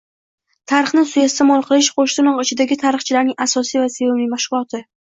Tarixni suiiste’mol qilish qo‘shtirnoq ichidagi tarixchilarning asosiy va sevimli mashg‘uloti.